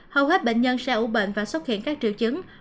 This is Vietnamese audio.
hầu hết bệnh nhân sẽ ủ bệnh và xuất hiện các triệu chứng